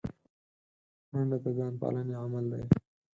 منډه د ځان پالنې عمل دی